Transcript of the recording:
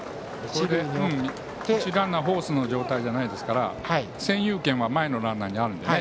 一塁ランナーフォースの状態じゃないですから占有権は前のランナーにあるんです。